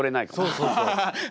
そうそうそう。